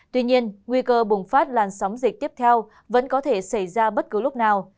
tuy nhiên nguy cơ bùng phát làn sóng dịch tiếp theo vẫn có thể xảy ra bất cứ lúc nào